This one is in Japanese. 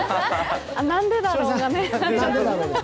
なんでだろう、がね。